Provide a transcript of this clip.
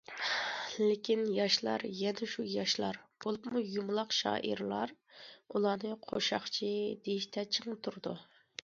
لېكىن ياشلار... يەنە شۇ ياشلار، بولۇپمۇ يۇمىلاق شائىرلار ئۇلارنى قوشاقچى دېيىشتە چىڭ تۇرىدۇ.